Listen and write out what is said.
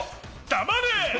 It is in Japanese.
黙れ！